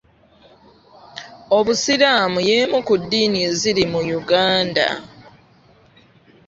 Obusiraamu y'emu ku ddiini eziri mu Uganda.